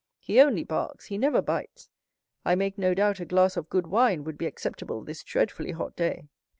—he only barks, he never bites. I make no doubt a glass of good wine would be acceptable this dreadfully hot day."